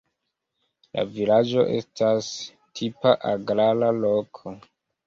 La vilaĝo estas tipa agrara loko.